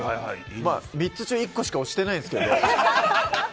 ３つ中１個しか押してないんですけど。